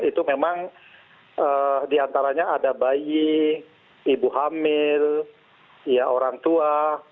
itu memang diantaranya ada bayi ibu hamil orang tua